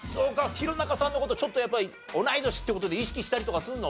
弘中さんの事ちょっとやっぱり同い年って事で意識したりとかするの？